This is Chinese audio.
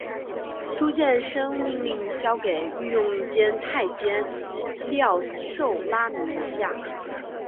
朱见深命令交给御用监太监廖寿拉名下。